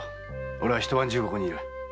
俺は一晩中ここに居る。